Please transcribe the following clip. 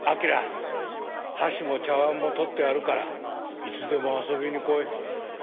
箸も茶わんも取ってあるからいつでも遊びに来い。